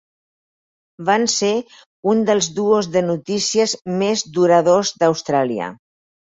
Van ser un dels duos de notícies més duradors d'Austràlia.